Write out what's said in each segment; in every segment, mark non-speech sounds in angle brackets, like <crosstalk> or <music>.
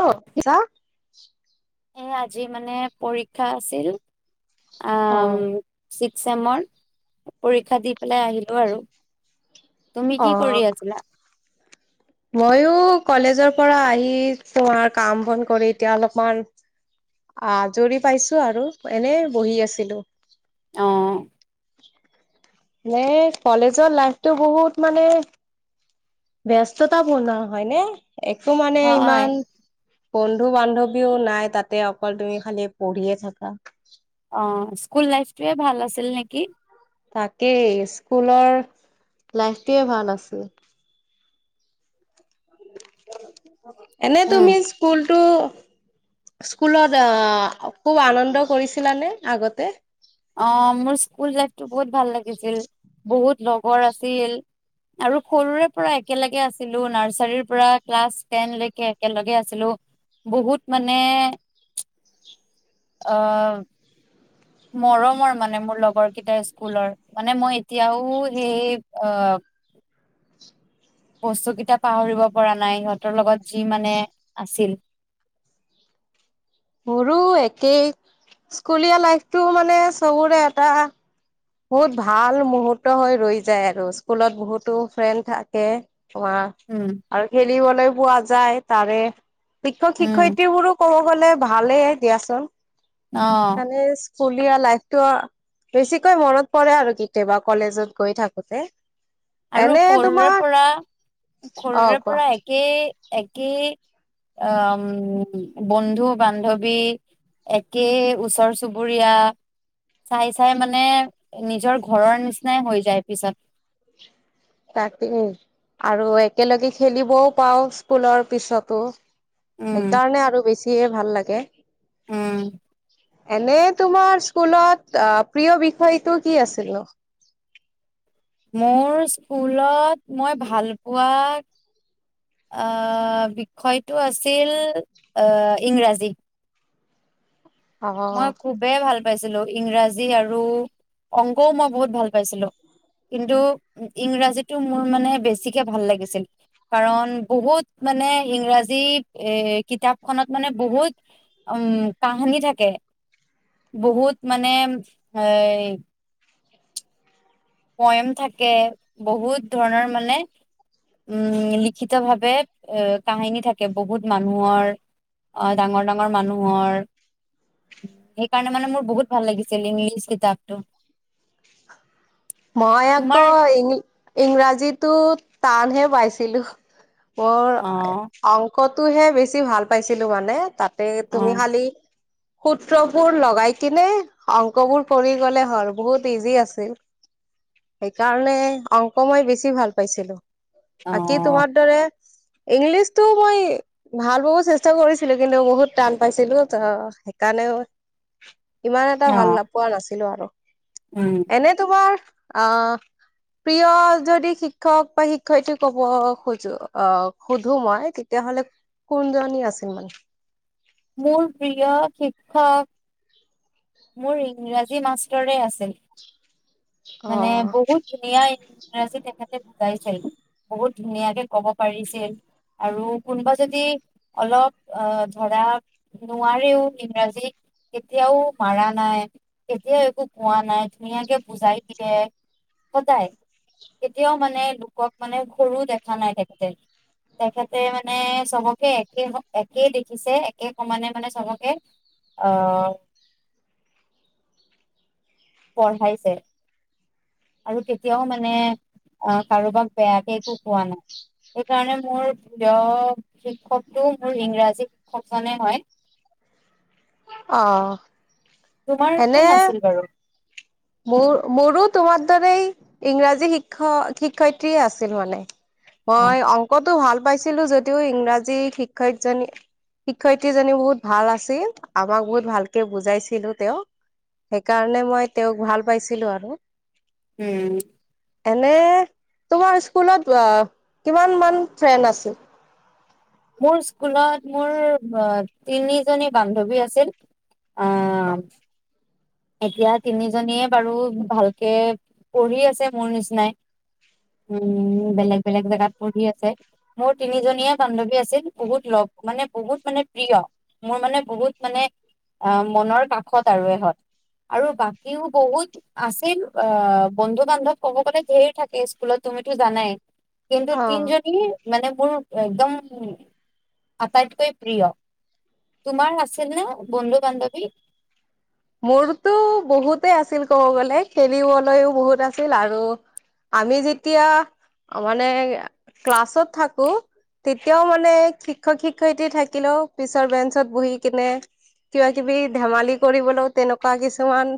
অ <unintelligible> <inaudible> এহ ', আজি মানে পৰীক্ষা আছিল। অ আম ছিক্স চেমৰ পৰীক্ষা দি পেলাই আহিলোঁ আৰু। তুমি অ কি কৰি আছিলা? ময়ো কলেজৰ পৰা আহি, তোমাৰ কাম বন কৰি এতিয়া অলপমান আজৰি পাইছোঁ। আৰু, এনেই বহি আছিলোঁ। অ <inaudible> নে কলেজৰ লাইফটো বহুত মানে ব্যস্ততা বনোৱা হয় নে। একো মানে হয় ইমান বন্ধু বান্ধৱীও নাই তাতে অকল তুমি খালি পঢ়িয়ে থাকা অ স্কুল লাইফটোৱে ভাল আছিল নেকি। তাকেই স্কুলৰ লাইফটোৱে ভাল আছিল। <inaudible> এনেই উম তুমি স্কুলটো স্কুলত আহ খুব আনন্দ কৰিছিলানে আগতে আহ মোৰ স্কুল লাইফটো বহুত ভাল লাগিছিল বহুত লগৰ আছিল, আৰু সৰুৰে পৰা একেলগে আছিলো। নাৰ্চাৰিৰ পৰা ক্লাছ টেন লকে একেলগে আছিলো। বহুত মানে আহ মৰমৰ মানে মোৰ লগৰ কেইটা স্কুলৰ মানে মই এতিয়াও সেই আহ বস্তু কেইটা পাহৰিব পৰা নাই সিহঁতৰ লগত যি মানে আছিল। মোৰো একেই স্কুলীয়া লাইফটো মানে চবৰে এটা বহুত ভাল মুহুৰ্ত হৈ ৰৈ যায় আৰু স্কুলত বহুতো ফ্ৰেণ্ড থাকে। অম উম আৰু খেলিবলৈ পোৱা যায়। তাৰে শিক্ষক উম শিক্ষয়িত্ৰী বোৰো কৰ গলে ভালেই দিয়াচোন অঁ মানে স্কুলীয়া লাইফটো অ বেছি কৈ মনত পৰে আৰু কেতিয়াবা কলেজত গৈ থাকোতে আৰু এনে সৰুৰে তোমাৰ পৰা অ সৰুৰে কোৱা পৰা একেই একেই আহ বন্ধু বান্ধৱী একেই ওচৰ চুবুৰীয়া চাই চাই মানে নিজৰ ঘৰৰ নিচিনাই হৈ যায় পিছত তাকে আৰু একেলগে খেলিবও পাও স্কুলৰ পিছতো সেইকাৰণে আৰু বেছি চিয়ে ভাল লাগে উ এনে তোমাৰ স্কুলত আহ প্ৰিয় বিষয়টো কি আছিল নো? মোৰ স্কুলত মই ভাল পোৱা আহ বিষয়টো আছিল ইংৰাজী। অ মই খুবেই ভাল প পাইছিলো ইংৰাজী আৰু অংকও মই বহুত ভাল পাইছিলো কিন্তু ইংৰাজীটো মোৰ মানে বেছিকে ভাল লাগিছিল কাৰণ বহুত মানে ইংৰাজী এ কিতাপখনত মানে বহুত উম কাহানী থাকে। বহুত মানে এ পয়ম থাকে বহুত ধৰণৰ মানে উম লিখিত ভাৱে এ কাহিনী থাকে বহুত মানুহৰ আহ ডাঙৰ ডাঙৰ মানুহৰ সেইকাৰণে মানে মোৰ বহুত ভাল লাগিছিল ইংলিছ কিতাপটো মই আকৌ তোমাৰ ইং ইংৰাজীটোত টানহে পাইছিলো। প অ <unintelligible> ক'তোহে বেছি ভাল পাইছিলো মানে তাত অ তুমি খালি সূত্ৰবোৰ লগাই কিনে অংক বোৰ কৰি গ'লে হ'ল বহুত ইজি আছিল সেইকাৰণে অংক মই বেছি ভাল পাইছিলো অ', বাকী তোমাৰ দৰে ইংলিছটো মই ভাল পাব চেষ্টা কৰিছিলো কিন্তু বহুত টান পাইছিলো ত সেইকাৰণেও ইমান এটা ভাল অ', নাপোৱা নাছিল ছিলো আৰু উম এনে আহ প্ৰিয় যদি শিক্ষক বা শিক্ষয়িত্ৰী কব খোজো আহ সোধো মই তেতিয়াহলে কোনজনী আছিল মানে মোৰ প্ৰিয় শিক্ষক মোৰ ইংৰাজী মাষ্টৰে আছিল অ মানে বহুত ধুনীয়া ইংৰাজী তেখেতে বুজাইছিল বহুত ধুনীয়াকে ক'ব পাৰিছিল আৰু কোনোবা যদি অলপ অ ধৰা নোৱাৰেও ইংৰাজী কেতিয়াও মাৰা নাই কেতিয়াও একো কোৱা নাই ধুনীয়াকে বুজাই দিয়ে সদায় কেতিয়াও মানে লোকক মানে সৰু দেখা নাই তেখেতে তেখেতে মানে চবকে একে একে দেখিছে একে ম মানে মানে চবকে অ পঢ়াইছে আৰু কেতিয়াও মানে আহ কাৰোবাক বেয়াকে একো কোৱা নাই সেইকাৰণে মোৰ প্ৰিয় শিক্ষকটো মোৰ ইংৰাজী শিক্ষকজনে হয় অ তোমাৰ এনে কোন আছিল বাৰু মোৰ মোৰো তোমাৰ তে ইংৰাজী শিক্ষক শিক্ষয়িত্ৰ্ৰী আছিল মানে অ হয় অংকতো ভাল পাইছ ছিলো যদিও ইংৰাজী শিক্ষয়তজনী শিক্ষয়িত্ৰীজনী বহুত ভাল আছিল আমাক বহুত ভালকৈ বুজাইছিলোঁ তেওঁ সেইকাৰণে মই তেওঁক ভাল পাইছিলোঁ আৰু উম এনে তোমাৰ স্কুলত কিমান মান ফ্ৰেণ্ড আছিল মোৰ স্কুলত মোৰ তিনিজনী বান্ধৱী আছিল অ এতিয়া তিনিজনীয়ে বাৰু ভালকে পঢ়ি আছে মোৰ নিচিনাই উম বেলেগ বেলেগ জেগাত পঢ়ি আছে মোৰ তিনিজনীয়া বান্ধৱী আছিল বহুত লগ মানে বহুত মানে প্ৰিয় মোৰ মানে বহুত মানে মনৰ কাষত আৰু এহঁত আৰু বাকীও বহুত আছিল অ বন্ধু বান্ধৱ ক'ব গলে ধেৰ থাকে স্কুলত তুমিতো জানাই কিন্তু অ তিনিজণী মানে মোৰ একদম আটাইতকৈ প্ৰিয় তোমাৰ আছিল ন বন্ধু বান্ধৱী মোৰতো বহুতে আছিল ক'ব গলে খেলিবলৈও বহুত আছিল আৰু আমি যেতিয়া মানে ক্লাছত থাকো তেতিয়াও মানে শিক্ষক শিক্ষয়িত্ৰী থাকিলেও পিছৰ বেঞ্চত বহি কিনে কিবা কিবি ধেমালি কৰিবলৈ তেনেকুৱা কিছুমান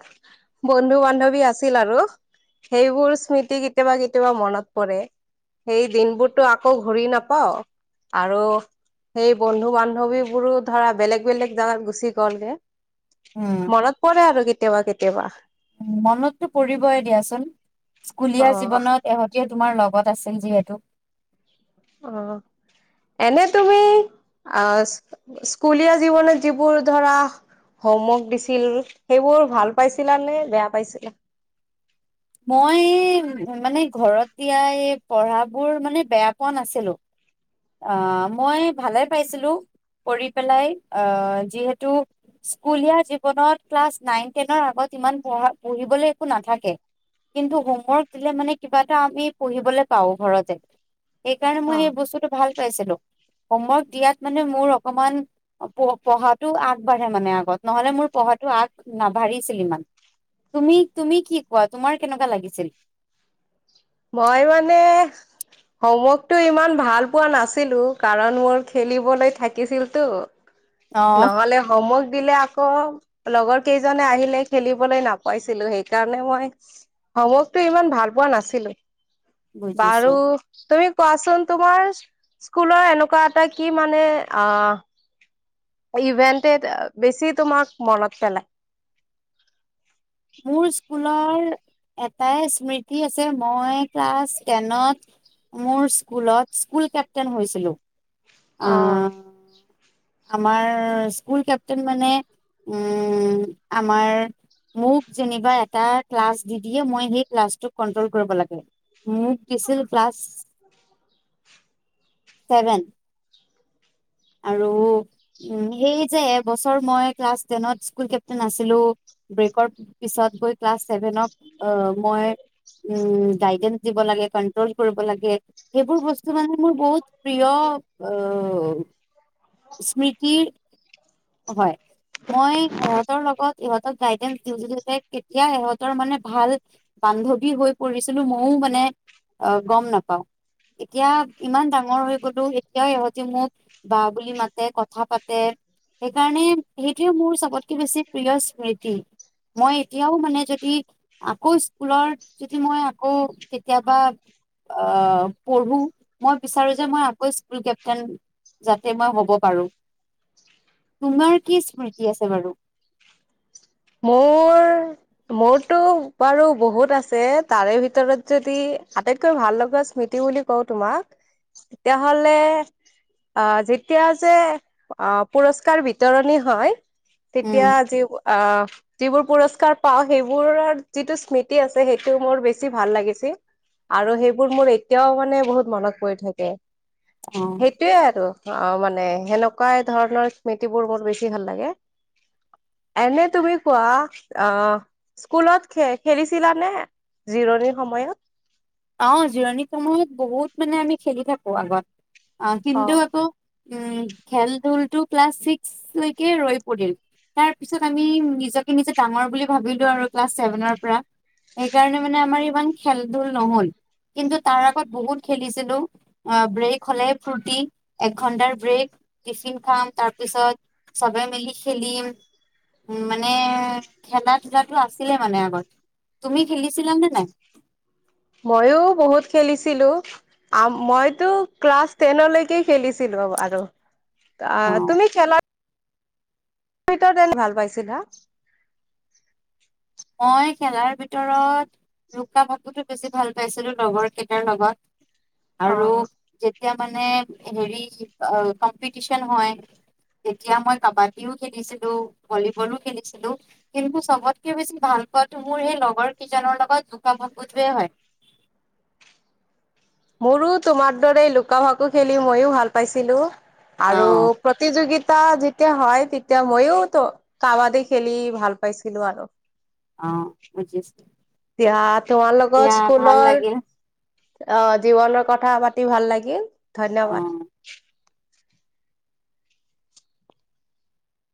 বন্ধু বান্ধৱী আছিল আৰু সেইবোৰ স্মৃতি কেতিয়াবা কেতিয়াবা মনত পৰে সেই দিনবোৰতো আকৌ ঘূৰি নাপাও আৰু সেই বন্ধু বান্ধৱীবোৰো ধৰা বেলেগ বেলেগ জাগাত গুচি গ'লগে উম মনত পৰে আৰু কেয়া কেতিয়াবা কেতিয়াবা উ মনততো পৰিবই দিয়াচোন অ স্কুলীয়া জীৱনত এহতীয়া তোমাৰ লগত আছিল যিহেতু অ এনে তুমি আহ স্কুলীয়া জীৱনত যিবোৰ ধৰা হোমৱৰ্ক দিছিল সেইবোৰ ভাল পাইছিলা নে বেয়া পাইছিলা মই মানে ঘৰত দয়াই পঢ়াবোৰ মানে বেয়া পোৱা নাছিলো আহ মই ভালে পাইছিলো কৰি পেলাই আহ যিহেতু স্কুলীয়া জীৱনত ক্লাছ নাইন টেনৰ আগত ইমান পঢা পঢ়িবলৈ একো নাথাকে কিন্তু হোমৱৰ্ক দিলে মানে কিবা এটা আমি পঢ়িবলৈ পাওঁ ঘৰতে এইকাৰণে মই সেই বস্তুটো ভাল পাইছিলো হোমৱৰ্ক দিয়াত মানে মোৰ অকমান পঢ়াটো আগবাঢ়ে মানে আগত নহলে মোৰ পঢ়াটো আগ নাভঢ়িছিল ইমান তুমি তুমি কি কোৱা তোমাৰ কেনেকুৱা লাগিছিল মই মানে হোমৱৰ্কটো ইমান ভাল পোৱা নাছিলো কাৰণ মোৰ খেলিবলৈ থাকিছিলতো অ নহলে হোমৱৰ্ক দিলে ক লগৰ কেইজনে আহিলে খেলিবলৈ নাপাইছিলো সেইকাৰণে মই সমকটো ইমান ভাল পোৱা নাছিলো বুজিছো বাৰু তুমি কোৱাচোন তোমাৰ স্কুলৰ এনেকুৱা এটা কি মানে অ ইভেন্টে বেছি তোমাক মনত পেলাই মোৰ স্কুলৰ এটাই স্মৃতি আছে মই ক্লাছ টেনত মোৰ স্কুলত স্কুল কেপ্টেইন হৈছিলোঁ অ আহ আমাৰ স্কুল কেপটেইন মানে উ আমাৰ মোক যেনিবা এটা ক্লাছ দি দিয়ে মই সেই ক্লাছটোক কন্ট্ৰল কৰিব লাগে ম পছিল ক্লাছ ছেভেন আৰু উ সেই যে এবছৰ মই ক্লাছ টেনত স্কুল কেপটেইন আছিলো ব্ৰেকৰ পিছত গৈ ক্লাছ ছেভেন মই গড দিব লাগে কন্ট্ৰল কৰিব লাগে সেইবোৰ বস্তু মানে মোৰ বহুত প্ৰিয় অ অ স্মৃতি হয় মই ইহঁতৰ লগত ইহঁতক গাইডেঞ্চ দিো যতে কেতিয়া ইহঁতৰ মানে ভাল বান্ধৱী হৈ পৰিছিলো মইও মানে গম নাপাও এতিয়া ইমান ডাঙৰ হৈ গলো এতিয়াও ইহঁতে মোক বা বুলি মাতে কথা পাতে সেইকাৰণে সেইটোয়ে মোৰ চবতকে বেছি প্ৰিয় স্মৃতি মই এতিয়াও মানে যদি ইক আকৌ স্কুলত যদি মই আকৌ কেতিয়াবা আহ পঢ়ো মই বিচাৰো যে মই আকৌ স্কুল কেপটন যাতে মই হ'ব পাৰো তোমাৰ কি স্মৃতি আছে বাৰু মোৰ মোৰতো বাৰু বহুত আছে তাৰে ভিতৰত যদি আটাইতকৈ ভাল লগা স্মৃতি বুলি কওঁ তোমাক তেতিয়াাহলে আহ যেতিয়া যে আহ পুৰস্কাৰ বিতৰণি হয় উম তেতিয়া আজি অ যিবোৰ পুৰস্কাৰ পাও সেইবোৰৰ যিটো স্মৃতি আছে সেইটো মোৰ বেছি ভাল লাগিছিল আৰু সেইবোৰ মোৰ এতিয়াও মানে বহুত মনত পৰি থাকে অ সেইটোৱে আৰু অ মানে সেনেকুৱা ধৰণৰ স্মৃতিবোৰ মোৰ বেছি ভাল লাগে এনে তুমি কোৱা অ স্কুলত খ খেলিছিলা নে জিৰণিৰ সময়ত অ জিৰণি সময়ত বহুত মানে আমি খেলি থাকো আগত অ কিন্ত আকৌ উম খেল ধুলটো ক্লাছ ছিক্স লকে ৰৈ পৰিল তাৰ পিছত আমি নিজকে নিজে ডাঙৰ বুলি ভাবিলো আৰু ক্লাছ চেছেভেনৰ পৰা সেইকাৰণে মানে আমাৰ ইমান খেল ধল নহ'ল কিন্তু তাৰ আগত বহুত খেলিছিলো অ ব্ৰেক হলে ফুৰ্তি একঘন্টাৰ ব্ৰেক টিফিন খাম তাৰপিছত চবে মিলি খেলিম উ মানে খেলা ধূলাটো আছিলে মানে আগত তুমি খেলিছিলা নে নাই? ময়ো বহুত খেলিছিলো মইতো ক্লাছ টেনলৈকে খেলিছিলো আৰু। অ তুমি খেলা ভিতৰ তেল ভাল পাইছিল হা মই খেলাৰ ভিতৰত লোকা ভাকুতো বেছি ভাল পাইছিলো লগৰ কেইটাৰ লগত আৰু অ। যেতিয়া মানে হেৰি কম্পিটিচন হয় তেতিয়া মই কাবাডীও খেলিছিলো ভলীবলো খেলিছিলো কিন্তু চবতকে বেছি ভাল পোৱাটো মোৰ সেই লগৰ কেইজনৰ লগত লুকা ভাকু টো এ হয়। মোৰো তোমাৰ দৰে লুকা ভাকু খেলি মইও ভাল পাইছিলো। অ আৰু প্ৰতিযোগিত তা যেতিয়া হয় তেতিয়া মইও ত কাবাডী খেলি ভাল পাইছিলো আৰু অ বুজিছোঁ এতিয়া তোমাৰ লগত স্কুলৰ। অ জীৱনৰ কথা পাতি ভাল লাগিল। অ ধন্যবাদ